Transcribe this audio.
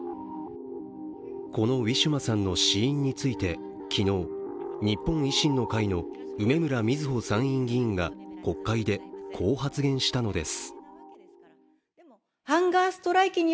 このウィシュマさんの死因について昨日、日本維新の会の梅村みずほ参院議員が国会で、こう発言したのです。